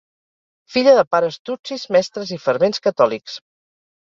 Filla de pares tutsis mestres i fervents catòlics.